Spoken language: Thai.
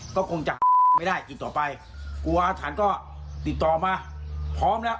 ก็คงจะไม่ได้กินต่อไปกลัวอาถรรพ์ก็ติดต่อมาพร้อมแล้ว